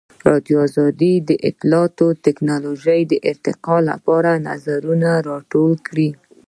ازادي راډیو د اطلاعاتی تکنالوژي د ارتقا لپاره نظرونه راټول کړي.